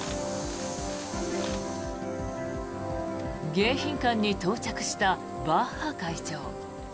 迎賓館に到着したバッハ会長。